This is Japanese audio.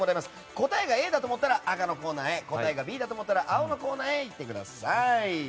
答えがＡだと思ったら赤へ答えがＢだと思ったら青のコーナーに行ってください。